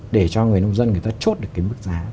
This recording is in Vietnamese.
để cho người nông dân người ta chốt được cái mức giá